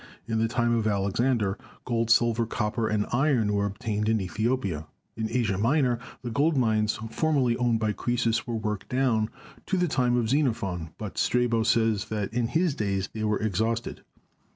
In the time of Alexander gold, silver, copper and iron were obtained in Ethiopia. In Asia Minor the gold mines formerly owned by Croesus were worked down to the time of Xenophon, but Strabo says that in his days they were exhausted.